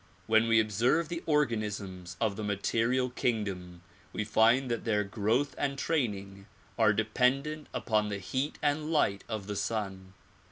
When we observe the organisms of the material kingdoms we find that their growth and training are dependent upon the heat and light of the sun.